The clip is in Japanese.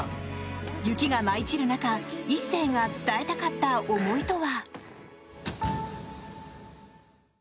雪が舞い散る中一星が伝えたかった思いとは？